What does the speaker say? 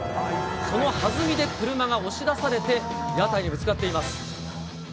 そのはずみで車が押し出されて、屋台へぶつかっています。